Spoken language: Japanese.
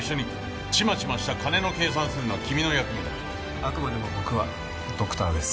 あくまでも僕はドクターです。